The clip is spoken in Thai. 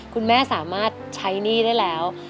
คุณแม่สามารถใช้หนี้ได้แล้ว